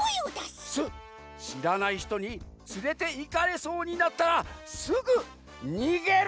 しらないひとにつれていかれそうになったら「す」ぐにげる！